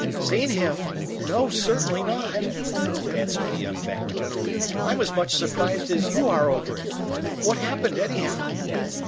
"Seen him? No, certainly not!" answered the young bank clerk. "I'm as much surprised as you are over it. What happened, anyhow?"